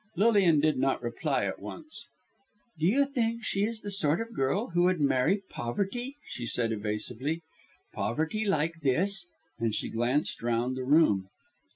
Lilian did not reply at once. "Do you think she is the sort of girl who would marry poverty," she said, evasively, "poverty like this!" and she glanced round the room.